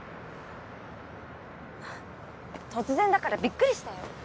突然だからびっくりしたよ。